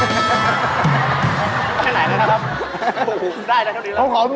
แค่ไหนแล้วนะครับ